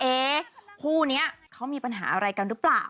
คู่นี้เขามีปัญหาอะไรกันหรือเปล่า